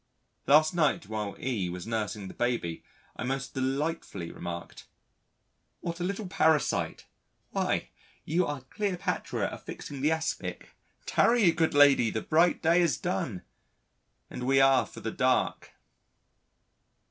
Last night while E was nursing the baby I most delightfully remarked: "What a little parasite why you are Cleopatra affixing the aspic 'Tarry, good lady, the bright day is done, and we are for the dark.'"